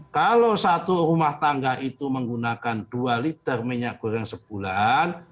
kalau satu rumah tangga itu menggunakan dua liter minyak goreng sebulan